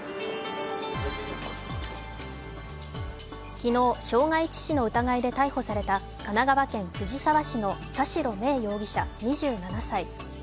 昨日、傷害致死の疑いで逮捕された神奈川県藤沢市の田代芽衣容疑者２７歳。